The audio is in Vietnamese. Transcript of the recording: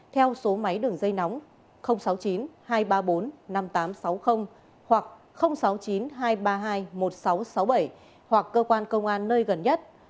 theo số máy đường dây nóng sáu mươi chín hai trăm ba mươi bốn năm nghìn tám trăm sáu mươi hoặc sáu mươi chín hai trăm ba mươi hai một nghìn sáu trăm sáu mươi bảy hoặc cơ quan công an nơi gần nhất